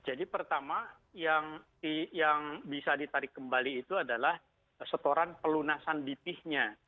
jadi pertama yang bisa ditarik kembali itu adalah setoran pelunasan bp nya